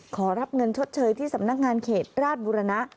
ขอรับเงินชดเชยที่สำนักงานเขตราชบุรณะ